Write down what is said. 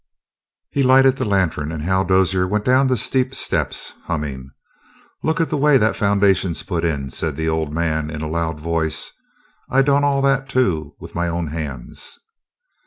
He lighted the lantern, and Hal Dozier went down the steep steps, humming. "Look at the way that foundation's put in," said the old man in a loud voice. "I done all that, too, with my own hands."